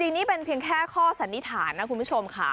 จริงนี่เป็นเพียงแค่ข้อสันนิษฐานนะคุณผู้ชมค่ะ